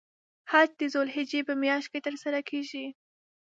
حج د ذوالحجې په میاشت کې تر سره کیږی.